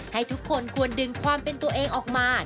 ให้ทุกคนควรดึงความเป็นตัวเองออกมา